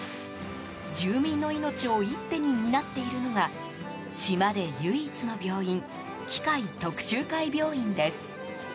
住民の命を一手に担っているのが島で唯一の病院喜界徳洲会病院です。